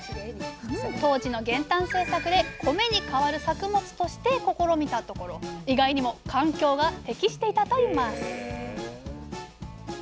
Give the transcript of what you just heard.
当時の減反政策で米にかわる作物として試みたところ意外にも環境が適していたといいます